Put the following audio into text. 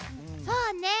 そうね。